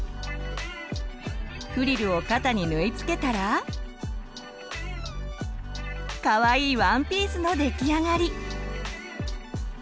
フリルを肩に縫い付けたらかわいいワンピースの出来上がり！